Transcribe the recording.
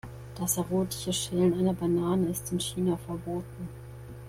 Das erotische Schälen einer Banane ist in China verboten.